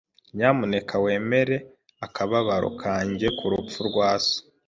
Nyamuneka wemere akababaro kanjye ku rupfu rwa so.